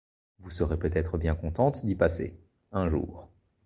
Vous serez peut-être bien contente d'y passer, un jour.